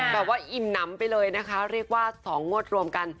ว่าอิ่มหนำไปเลยนะคะเรียกว่า๒งวดรวมกัน